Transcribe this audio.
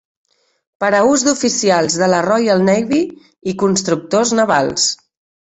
Per a ús d"oficials de la Royal Navy i constructors navals.